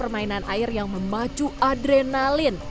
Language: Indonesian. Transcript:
permainan air yang memacu adrenalin